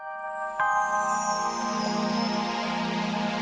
pak mangun ini masulatan siapa pak mangun